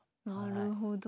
なるほど。